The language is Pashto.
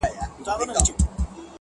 بابولاله؛